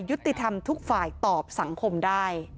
ยุติธรรมทุกฝ่ายตอบสังคมได้